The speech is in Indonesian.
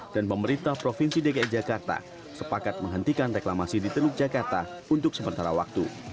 dan pemerintah provinsi dki jakarta sepakat menghentikan reklamasi di teluk jakarta untuk sementara waktu